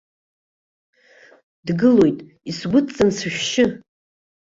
Дгылоит, исгәыдҵан сышәшьы!